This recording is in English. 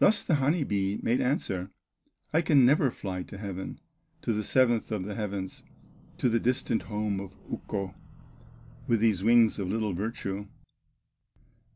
Thus the honey bee made answer: "I can never fly to heaven, To the seventh of the heavens, To the distant home of Ukko, With these wings of little virtue."